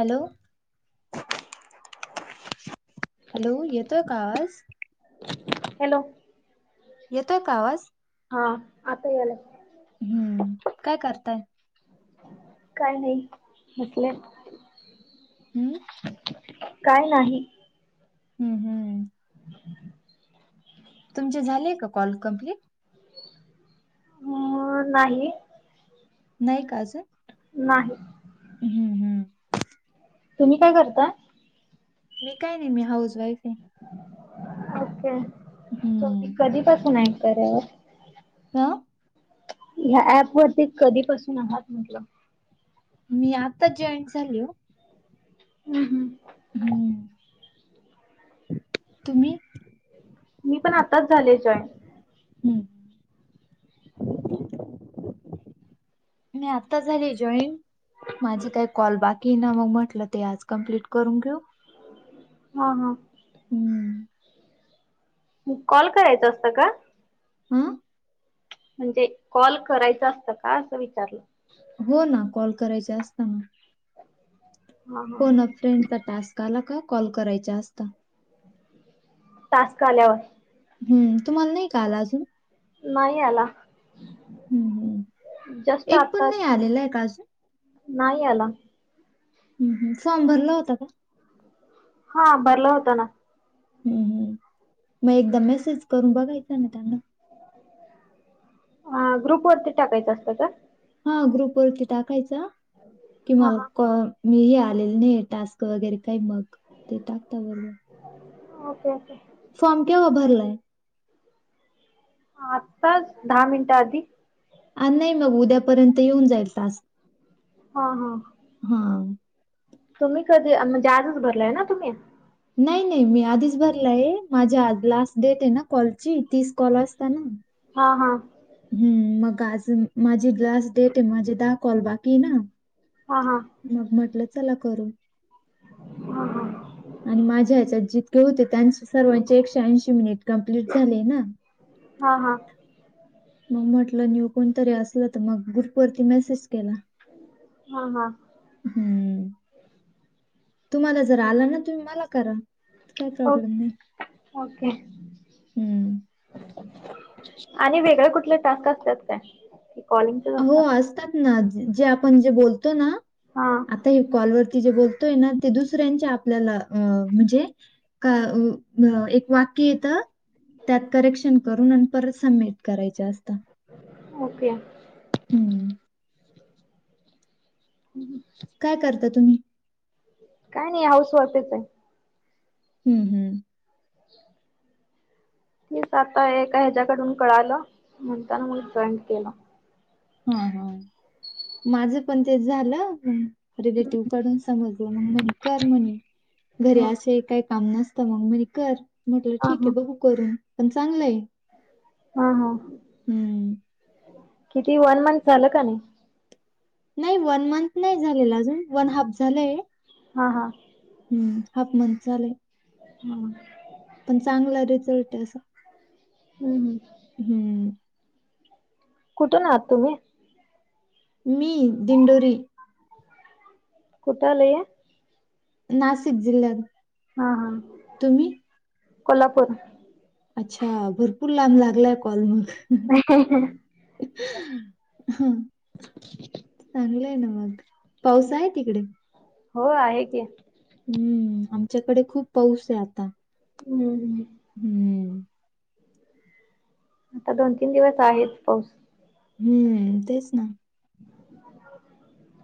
Hello! Hello, येतोय कावाज. Hello, येतोय का आवाज. हा, आता याला. हम्म, काय करताय. काय नाही म्हटले. हम्म. काय नाही. हम्म हम्म, तुमचे झालेय का कॉल कम्प्लीट. होय नाही. नाही का अजून? नाही. हम्म हम्म. तुम्ही काय करता. ''मी काय नाही मी हाऊसवाईफ आहे. ओके तुही हम्म कधी पासून ऐ क्यावर. त, ह्या ऍप वरती कधीपसून आहात म्हटल. ''मी आता जॉईन झाली ओ. हम हम. हम्म, तुम्ही. ''मी पण आताच झाले जॉईन हम्म, ''मी आता झाली जॉईन. माझी काही कॉल बाकी ना मग म्हटलं ते आज कंम्प्लीट करून घेऊ. हा हा, हम्, कॉल करायचं असतं का? ''हं'' म्हणजे कॉल करायच असतं का असं विचारलं. हो ना कॉल करायचा असतात. हा हा फोन फ्रेंडचा टास्क आला का कॉल करायचा असता. टास्क आल्यावर. हम्म, तुम्हाला नाही का आला अजून. नाही आला हम् हम्, जस्ट एक पण आता नाही आलेला नाही का अजून. नाही आला. हम हम, फॉर्म भरला होता का? हा, भरला होता ना. हम हम, मग एकदा मेसेज करून बघायचा ना त्यांना. हा, ग्रुप वरती टाकायचं असतं का? हा, ग्रुप वरती टाकायचा कि, हा मला. हा कु व मी ही आलेल नाही टास्क वगैरे काही मग ते टाकता बरोबर. Okay okay. फॉर्म केव्हा भरलाय. आत्ताच दहा मिनिट आधी. आज नाही मग उद्यापर्यंत जाईल टास. हा, हा. हा तुम्ही कधी म्हणजे आजच भरलाय ना तुम्हीं? नाही, नाही मी आधीच भरला आहे, माझ्या लास्ट डेट आहे ना कॉलची तीस कॉल असता ना. हा, हा.. हं.. मग आज माझी लास्ट डेट आहे, माझे दहा कॉल बाकी ये ना. हा, हा.. मग म्हटलं चला करू. हा, हा. हां. आणि माझ्या ह्याच्यात जितके होते त्यांचे सर्वांचे एकशे ऐंशी मिनिट कंप्लीट झाले ना. हा, हा. मग म्हटलं न्यू कोणतरी असलं तर मग ग्रुप वरती मेसेज केला. हा, हा. हुं.. तुम्हांला जर आला ना, तुम्ही मला करा. काही ओक... प्रॉब्लेम नाही ओके. हम्म आणि वेगळे कुठले टास्क असत्यात काय? आ हो असतात ना, जे आपण जे बोलतो ना हा आता हे कॉलवर, ते जे बोलतोय ना, ते दुसऱ्यांचे आपल्याला अ म्हणजे का एक वाक्य येतं, - त्यात करेक्शन करून आणि परत सबमिट करायचं असतं. ओके. हुं.. [unintelligible] काय करता तुम्हीं? काय नाही हाऊस वाइफच आहे. हुं.. हूं.. [inaudible] हेच आता एका ह्याच्याकडून कळालं म्हणताना मग जॉईन केलं. हा, हा. माझं पण तेच झालं रिलेटिव्ह कडून समजलं. मग म्हणे कर म्हणे, हा घर असंही काही काम नसतं मग म्हणे कर. म्हटलं हा ठीक आहे, हा बघू करून पण चांगलंय. हा, हा. किती वन मंथ झालं का नाही? नाही वन मंथ नाही झालेला अजून, वन हाफ झालंय. हा, हा. हं, हाफ मंथ झालंय. [unintelligible] पण चांगला रिझल्ट आहे असं. हं.. हूं.. ह.. कुठून आहात तुम्हीं? मी दिंडोरी. कुठं आलं हे? नासिक जिल्ह्यात. हा, हा. तुम्ही कोल्हापूर. अच्छा, भरपूर लांब लागलाय कॉल मग. [unintelligible] [unintelligible] चांगलय ना मग. पाऊस आहे तिकडे. हो आहे की. हम्म, आमच्याकडे खूप पाऊस आहे आता. एवढ नही हम्म आता दोन तीन दिवस आहेच पाऊस. हम्म, तेच ना. [inaudible]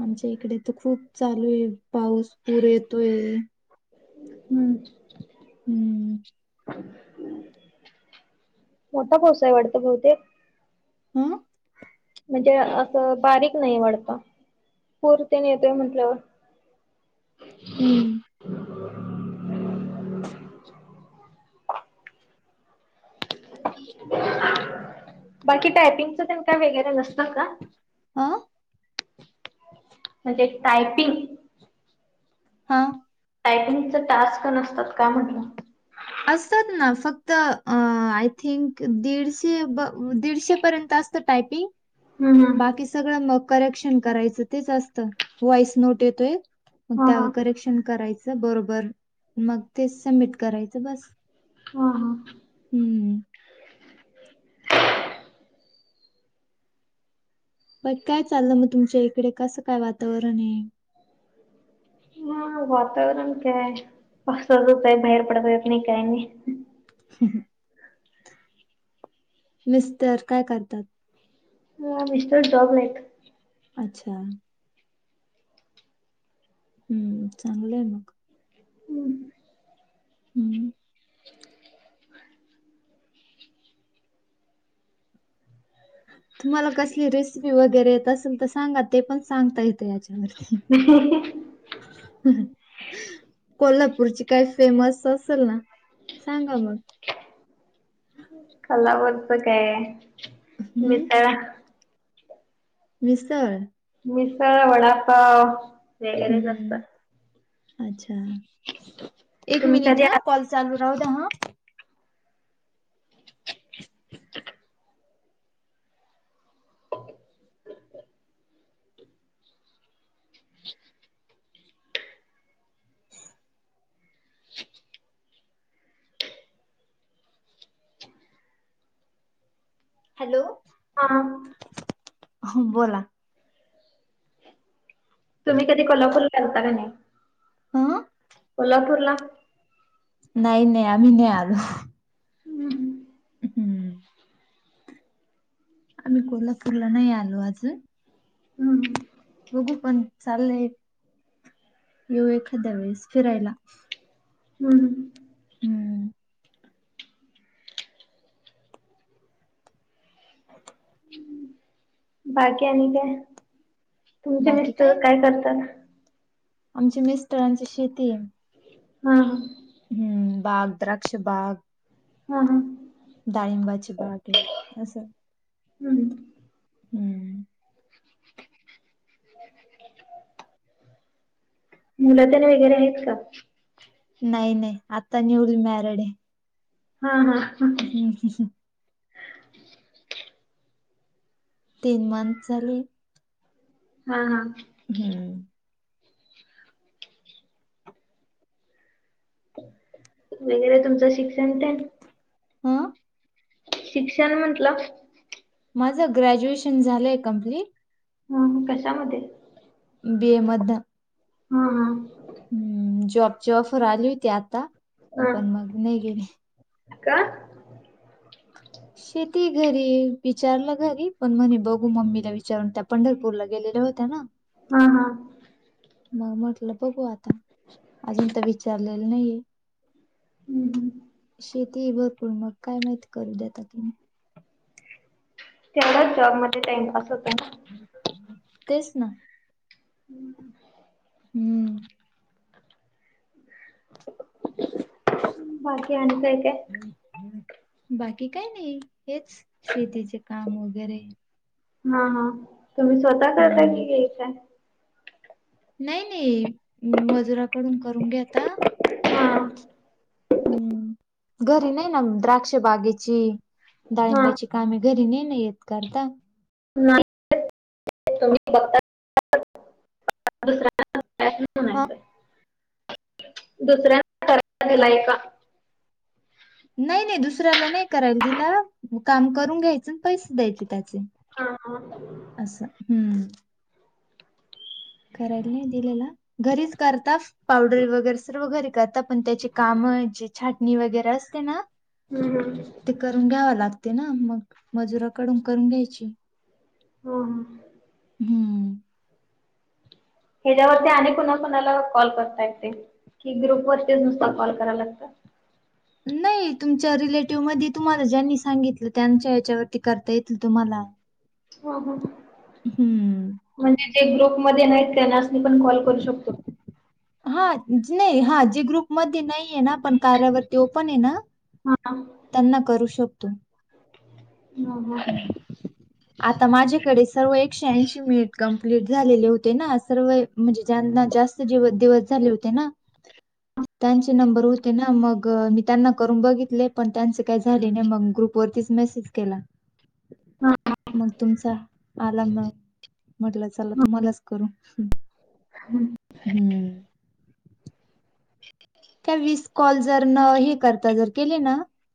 आमच्या इकडे तर खूप चालू आहे पाऊस. पुर येतोय. हम्म मोठा पाऊस आहे वाटत बहुतेक. अ म्हणजे अस बारीक नाही वाढत. पुर ते न येतोय म्हटल. हम्म बाकी टायपिंगच काय वगैरे नसत का? अ म्हणजे टायपिंग हा टायपिंगच टास्क नसतात का म्हटल. असतात ना फक्त, अ आय थिंक दीडशे ब दीडशे पर्यंत असत तात, टायपिंग हम्म बाकी सगळ म करेक्शन करायच तेच असत. व्हॉईस नोट येतोय. मग हा हा त्यावर करेक्शन करायच बरोबर. मग ते सबमिट करायच बस. हा हा हम्म बाकी काय चालल मग तुमच्या इकडे कस काय वातावरण आहे. हा वातावरण काय, पाऊसाच काय बाहेर पडता येत नाही काय नाही. मिस्टर काय करतात. म मिस्टर जॉबला आहेत. अच्छा हम्म, चांगलय मग. हम्म हम्म [inaudible] तुम्हाला कसली रेसिपी वगैरे येत असेल तर सांगा. ते पण सांगता येत याच्यात. [unintelligible] कोल्हापूरची काही फेमस असेल ना सांगा मग. कोल्हापूरच काय हम्म मिसळ मिसळ मिसळ, वडापाव वगैरेच असतात. हम्म अच्छा एक तुम्ही मिनिट कधी हा आ कॉल चालू राहू द्या हा. [unintelligible] हॅलो हां हो बोला तुम्ही कधी कोल्हापूरला गेलता का नाही हं कोल्हापूरला नाही नाही आम्ही नाही आलो हम् हम्म आम्ही कोल्हापूरला नाही आलो अजून हम्म बघू पण चाललंय, येऊ एखाद्या वेळेस फिरायला. हम् हम्म बाकी आणि काय तुमचे बाकी मिस्टर नाही काय करतात? आमच्या मिस्टरांची शेतीयं हा हा हम्म बाग द्राक्षे बाग हा हा डाळिंबाची बाग हेय असं हम् हम्म मुलं तेन वगैरे आहेत का? नाही नाही आता न्यू मॅरेड हेय हा हा [unintelligible] तीन मंथ झालेत हा हा हम्म वगैरे तुमचं शिक्षण तेन? हं शिक्षण म्हटलं? माझं ग्रॅज्युएशन झालंय कंप्लीट. हमं कशामध्ये? बी ए मधनं हां हां हम्म जॉबची ऑफर आली होती आता, हा पण मग नाही गेली. का? शेती घरी, विचारलं घरी पण म्हणे बघू मम्मीला विचारून त्या पंढरपूरला गेलेल्या होत्या ना. हां हा मग म्हटलं बघू आता, अजून तर विचारलेलं नाहीये हम्म. शेती भरपूर मग काय माहिती करू देत्यात काय नाही तेवढाच जॉबमध्ये टाइमपास होतोय ना तेच ना. हम्म. हम्म. बाकी आणि काय काय? बाकी काय नाही, हेच शेतीचे काम वगैरे. हा हा तुम्ही स्वतः करता हम्म की काय? नाही नाही मजुरा कडून करून घेता हा हम्म. घरी नाही ना, द्राक्ष बागेची, हा डाळिंब्याची कामे घरी नाही ना येत करता? [unintelligible] हा दुसऱ्यां करायला दिलाय का? नाही नाही दुसऱ्याला नाही करायला दिला. काम करून घ्यायचं अन् पैसे द्यायचे त्याचे. हा हा. असं हम्म. करायला नाही दिलेला, घरीच करता पावडरी वगैरे सर्व घरी करता पण ते त्याचे कामं जे छाटणी वगैरे असते ना? हम्म हम्म ते करून घ्यावं लागते ना, मग मजुराकडून करून घ्यायची. हम्म हम्म. हम्म. ह्याच्यावरती आणि कुणा कोणाला कॉल करता येतंय? की ग्रुप वरतीच नुसता कॉल कराव लागतं? नाही तुमच्या रिलेटिव्हमधी तुम्हाला ज्यांनी सांगितलं, त्यांच्या यांच्यावरती करता येेतं तुम्हाला. हम्म हम्म. हम्म. म्हणजे जे ग्रुपमध्ये नाहीत त्यांनास नी पण कॉल करू शकतो? हा नाही हा जे ग्रुप मध्ये नाहीये ना, पण कार्यावरती ओपण आहे ना. हा. त्यांना करू शकतो. हा हा. आता माझ्याकडे सर्व एकशे ऐंशी मिनिट कंप्लीट झालेले होते ना, सर्व म्हणजे ज्यांना जास्त दिव दिवस झाले होते ना. [inaudible] त्यांचे नंबर होते ना, मग मी त्यांना करून बघितले. पण त्यांचे काय झाले नाही मग ग्रुप वरतीस मेसेज केला. हा. मग तुमचा आला मग, म्हटलं चला तुम्हालाच करू. हम. हम्म. [inaudible] काय विस कॉल जर न हे करता जर केले ना,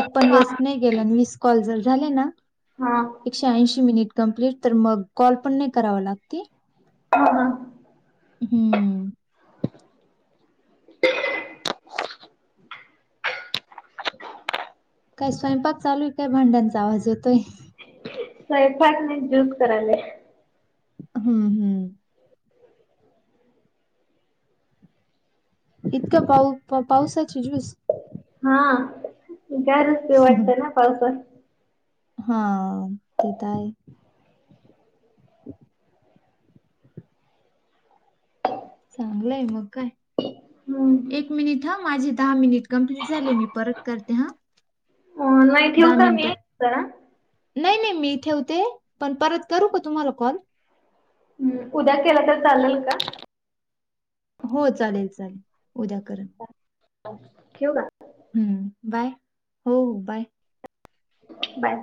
एक पण वेस्ट नाही केला, अन् वीस कॉल जर झाले ना? हा. एकशे ऐंशी मिनिट कंप्लीट तर, मग कॉल पण नाही करावा लागते. हम्म हम्म. हम्मं कायं स्वयंपाक चालूं आहे कायं भांड्यांचा आवांज येतोय. स्वयंपाक नाहीं ज्युंस कराले. हम्मं हम्मं इतकं पाऊ पावसांची ज्यूंस. हां गरचं ते वाटतं नां पावसांत. हां ते तरं आहे. चांगलंय मंग कायं. हम्मं एक मिनिटं हां माझी दहा मिनिटं कंप्लीट झाली मी परंत करते हां. नाही ठेवू दहा का मी जरा? मिनिटं नाहीं नाहीं मी ठेवते पणं परंत करूं कां तुम्हांला कॉल? हम्मं उद्यां केलां तरं चालेल कां? हो चालेल चालेल उद्यां करां. ठेऊ कां? हम्मं बांय हो बांय. बांय